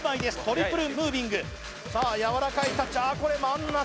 トリプルムービングさあやわらかいタッチこれ真ん中ＯＫ！